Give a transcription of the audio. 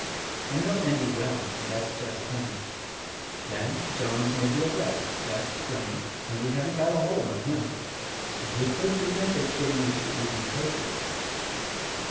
I know Endy well, and that's just him. Then, Jones made the arrest — that's plain — and we haven't a hold on him — and he could pre vent its getting into the evening papers.